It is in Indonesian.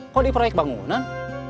kok di proyek bangunan